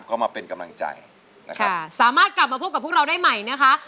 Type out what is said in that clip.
ก็มาเป็นกำลังใจนะครับสามารถกลับมาพบกับพวกเราได้ใหม่นะคะ